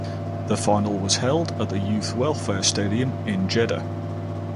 The final was held at the Youth Welfare Stadium in Jeddah.